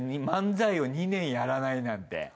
漫才を２年やらないなんて。